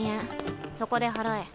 そこで払え。